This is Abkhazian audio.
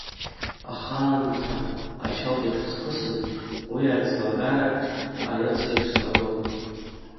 Аха аамҭа, ачалт еиԥш исхысын, уи аӡлагараҿ арыц еиԥш слаган.